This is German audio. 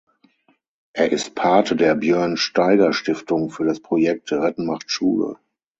Er ist Pate der Björn-Steiger-Stiftung für das Projekt „Retten macht Schule“.